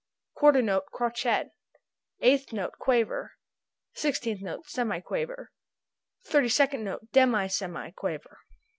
Quarter note crotchet. Eighth note quaver. Sixteenth note semi quaver. Thirty second note demi semi quaver.